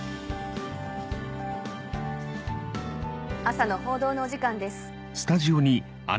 『朝の報道』のお時間です。